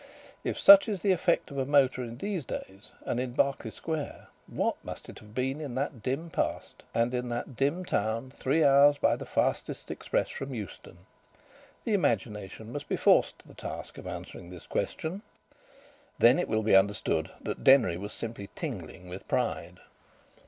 If such is the effect of a motor in these days and in Berkeley Square, what must it have been in that dim past, and in that dim town three hours by the fastest express from Euston? The imagination must be forced to the task of answering this question. Then will it be understood that Denry was simply tingling with pride.